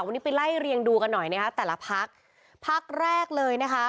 วันนี้ไปไล่เรียงดูกันหน่อยนะคะแต่ละพักพักแรกเลยนะคะ